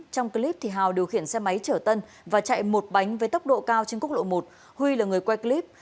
trong clip hào điều khiển xe máy trở tân và chạy một bánh với tốc độ cao trên quốc lộ một huy là người quay clip